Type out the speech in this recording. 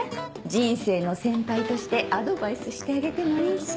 人生の先輩としてアドバイスしてあげてもいいし。